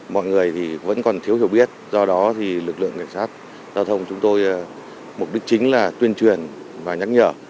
mọi người vẫn còn thiếu hiểu biết do đó lực lượng ngành sát giao thông chúng tôi mục đích chính là tuyên truyền và nhắc nhở